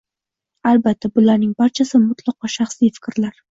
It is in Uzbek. Albatta, bularning barchasi mutlaqo shaxsiy fikrlar!